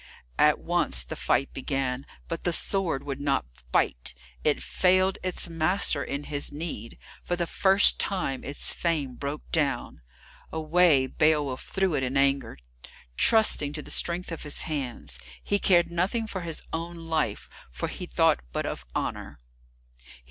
At once the fight began, but the sword would not bite it failed its master in his need; for the first time its fame broke down. Away Beowulf threw it in anger, trusting to the strength of his hands. He cared nothing for his own life, for he thought but of honour.